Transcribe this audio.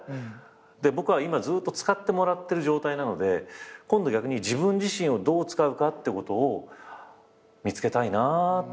で僕は今ずっと使ってもらってる状態なので今度逆に自分自身をどう使うかってことを見つけたいなって。